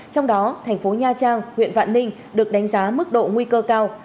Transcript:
trong đó thành phố nha trang huyện vạn ninh được đánh giá mức độ nguy cơ cao